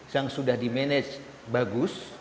yang sudah di manage bagus